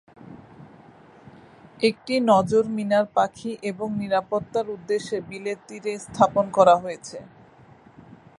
একটি নজর মিনার পাখি এবং নিরাপত্তার উদ্দেশ্যে বিলের তীরে স্থাপন করা হয়েছে।